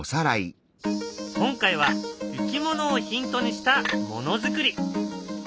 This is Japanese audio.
今回はいきものをヒントにしたものづくり。